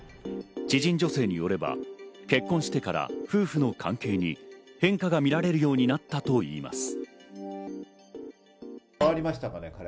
知人女性によれば、結婚してから夫婦の関係に変化が見られるようになったといいます。